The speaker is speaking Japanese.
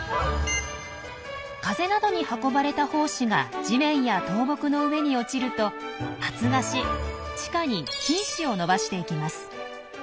風などに運ばれた胞子が地面や倒木の上に落ちると発芽し地下に「菌糸」を伸ばしていきます。